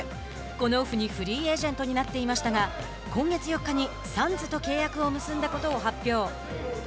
このオフにフリーエージェントになっていましたが今月４日にサンズと契約を結んだことを発表。